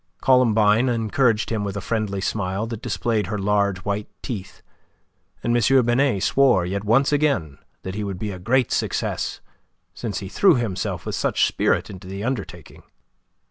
Columbine encouraged him with a friendly smile that displayed her large white teeth, and M. Binet swore yet once again that he would be a great success, since he threw himself with such spirit into the undertaking.